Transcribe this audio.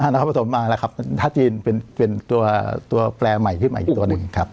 นครปฐมอะครับท่าจีนนะนะครับมันเป็นตัวแปลใหม่คือตัวหนึ่งครับ